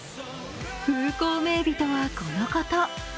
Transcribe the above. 風光明媚とはこのこと。